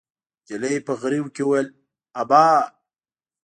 نجلۍ په غريو کې وويل: ابا!